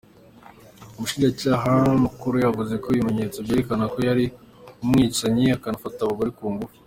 Umushinjacaha mukuru yavuze ko ibimenyetso vyerekana ko yari umwicanyi akanafata abagore ku nguvu.